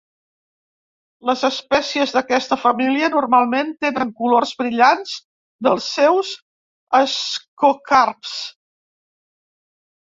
Les espècies d'aquesta família normalment tenen colors brillants dels seus ascocarps.